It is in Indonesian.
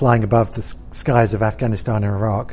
yang berlari di atas tanah afganistan dan iraq